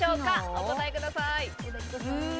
お答えください。